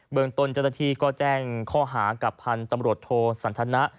เบื้องต้นเจตนาทีก็แจ้งข้อหากับพันธุ์จำรวจโทรสันธนา